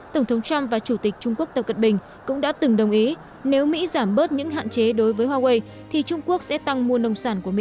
tổng thống trump và chủ tịch trung quốc tập cận bình cũng đã từng đồng ý nếu mỹ giảm bớt những hạn chế đối với huawei thì trung quốc sẽ tăng mua nông sản của mỹ